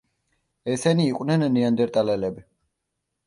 ესენი იყვნენ ნეანდერტალელები.